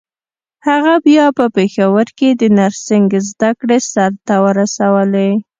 هغه بيا په پېښور کې د نرسنګ زدکړې سرته ورسولې.